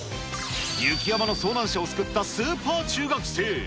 雪山の遭難者を救ったスーパー中学生。